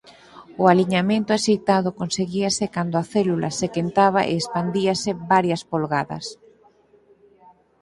O aliñamento axeitado conseguíase cando a célula se quentaba e expandíase varias polgadas.